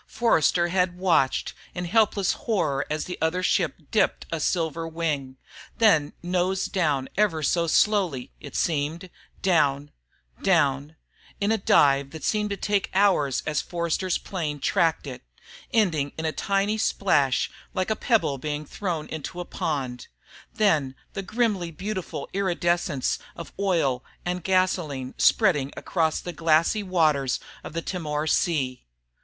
Forster had watched in helpless horror as the other ship dipped a silver wing, then nosed down ever so slowly, it seemed ... down ... down ... in a dive that seemed to take hours as Forster's plane tracked it, ending in a tiny splash like a pebble being thrown into a pond; then the grimly beautiful iridescence of oil and gasoline spreading across the glassy waters of the Timor Sea.